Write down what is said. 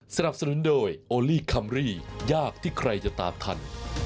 สนับสนุนโดยโอลี่คัมรี่ยากที่ใครจะตามทัน